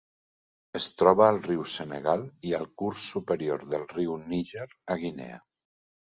Es troba al riu Senegal i al curs superior del riu Níger a Guinea.